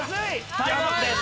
タイムアップです。